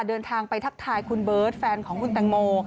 เดินทางไปทักทายคุณเบิร์ตแฟนของคุณแตงโม